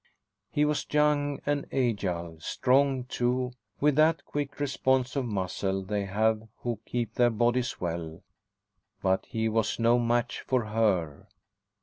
He was young and agile; strong, too, with that quick response of muscle they have who keep their bodies well; but he was no match for her.